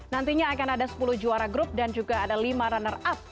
nantinya akan ada sepuluh juara grup dan juga ada lima runner up